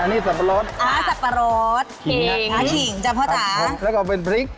อันนี้สับปะรดขิงแล้วก็เป็นพริก